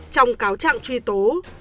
trong cáo trạng truy tố